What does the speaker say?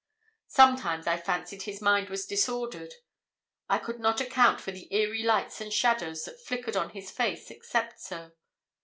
Sometimes I fancied his mind was disordered. I could not account for the eerie lights and shadows that flickered on his face, except so.